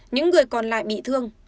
những người còn lại bị thương